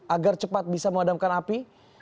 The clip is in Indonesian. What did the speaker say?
agar cepat bisa memadamkan api